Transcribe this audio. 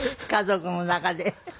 家族の仲で。